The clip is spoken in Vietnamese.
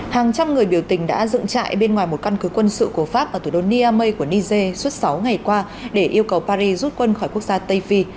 hàng trăm người biểu tình đã dựng trại bên ngoài một căn cứ quân sự của pháp ở thủ đô niamey của niger suốt sáu ngày qua để yêu cầu paris rút quân khỏi quốc gia tây phi